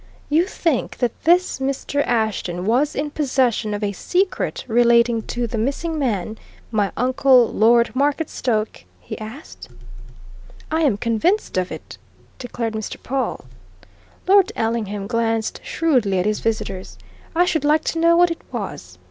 "You think that this Mr. Ashton was in possession of a secret relating to the missing man my uncle, Lord Marketstoke?" he asked. "I am convinced of it!" declared Mr. Pawle. Lord Ellingham glanced shrewdly at his visitors. "I should like to know what it was!"